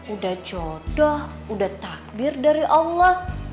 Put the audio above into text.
udah jodoh udah takdir dari allah